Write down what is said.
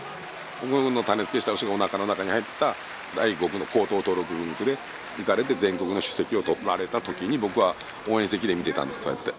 僕の種付けした牛がおなかの中に入っていた第５区の高等登録群区でいかれて全国の首席を取られたときに僕は応援席で見てたんですこうやって。